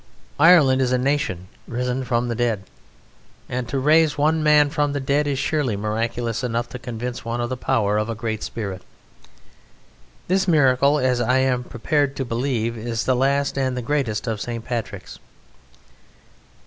Ireland is a nation risen from the dead; and to raise one man from the dead is surely miraculous enough to convince one of the power of a great spirit. This miracle, as I am prepared to believe, is the last and the greatest of St. Patrick's.